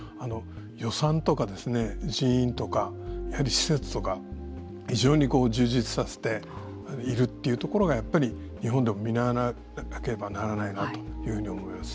予算とかですね、人員とかやはり施設とか非常に充実させているというところがやっぱり日本でも見習わなければならないなというふうに思います。